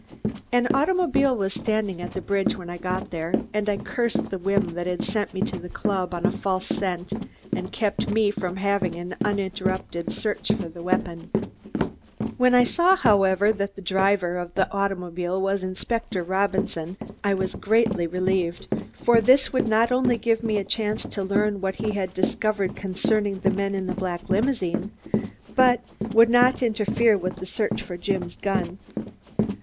An automobile was standing at the bridge when I got there and I cursed the whim that had sent me to the club on a false scent and kept me from having an uninterrupted search for the weapon. When I saw, however, that the driver of the automobile was Inspector Robinson, I was greatly relieved, for this would not only give me a chance to learn what he had discovered concerning the men in the black limousine, but would not interfere with the search for Jim's gun.